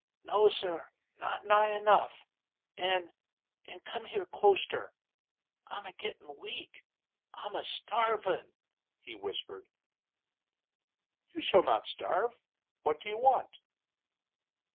"No, sir; not nigh enough. An' an' come here closter. I'm a gittin' weak I'm a starvin'!" he whispered. "You shall not starve. What do you want?"